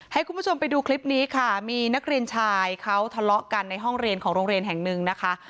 ให้คุณผู้ชมไปดูคลิปนี้ค่ะมีนักเรียนชายเขาทะเลาะกันในห้องเรียนของโรงเรียนแห่งหนึ่งนะคะ